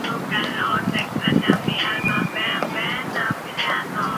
Fue adversario de Robespierre, y luchó para hacerse cargo de su puesto.